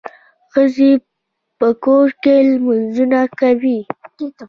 ښځي په کور کي لمونځونه کوي.